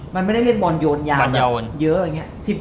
มันไม่ได้เล่นบอลโยนยาวเยอะอย่างนี้